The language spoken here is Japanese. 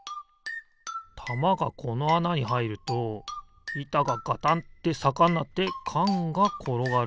たまがこのあなにはいるといたがガタンってさかになってかんがころがる。